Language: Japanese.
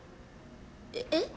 えっ？